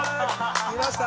来ました